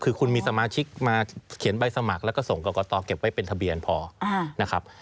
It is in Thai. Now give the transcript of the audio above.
คือคุณมีสมาชิกมาเขียนใบสมัครแล้วก็ส่งกรกตเก็บไว้เป็นทะเบียนพอนะครับ